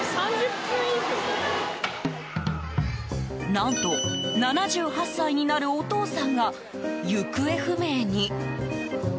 何と７８歳になるお父さんが行方不明に。